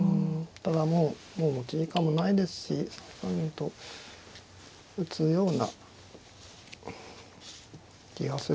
ただもうもう持ち時間もないですし３三銀と打つような気がする。